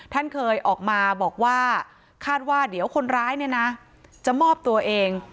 ท่านเคยออกมาบอกว่าคาดว่าเดี๋ยวคนร้ายเนี่ยนะจะมอบตัวเอง